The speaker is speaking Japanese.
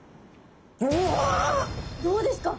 どうですか？